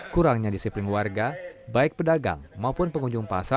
kurangnya disiplin warga baik pedagang maupun pengunjungnya